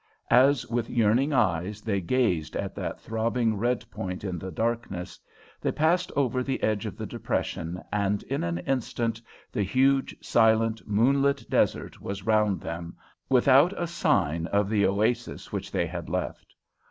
As with yearning eyes they gazed at that throbbing red point in the darkness, they passed over the edge of the depression, and in an instant the huge, silent, moonlit desert was round them without a sign of the oasis which they had left.